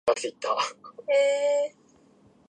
インドネシアの首都はジャカルタである